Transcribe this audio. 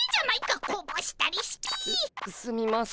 すすみません。